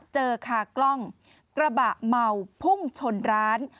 คากล้องกระบะเมาพุ่งชนร้าน